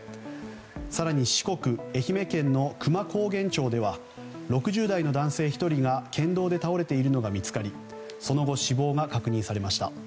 更に四国愛媛県の久万高原町では６０代の男性１人が県道で倒れているのが見つかりその後、死亡が確認されました。